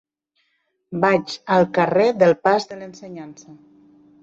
Vaig al carrer del Pas de l'Ensenyança.